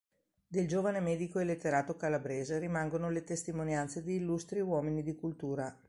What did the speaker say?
Del giovane medico e letterato calabrese rimangono le testimonianze di illustri uomini di cultura.